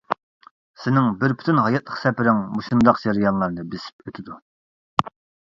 سېنىڭ بىر پۈتۈن ھاياتلىق سەپىرىڭ مۇشۇنداق جەريانلارنى بېسىپ ئۆتىدۇ.